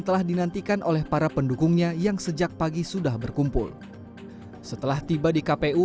telah dinantikan oleh para pendukungnya yang sejak pagi sudah berkumpul setelah tiba di kpu